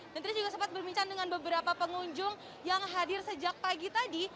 dan tadi juga sempat berbincang dengan beberapa pengunjung yang hadir sejak pagi tadi